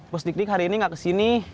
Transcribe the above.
pos dik dik hari ini gak kesini